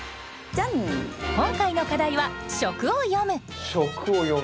今回の課題は「食を詠む」。